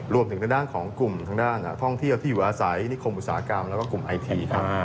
รวมถึงทางด้านของกลุ่มท่องเที่ยวที่อยู่อาศัยนิคมอุตสาหกรรมแล้วก็กลุ่มไอทีครับ